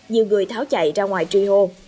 nhiều người tháo chạy ra ngoài truy hô